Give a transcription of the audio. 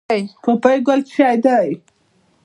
پوپی ګل څه شی دی؟